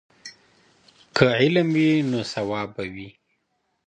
که علم وي نو ثواب وي.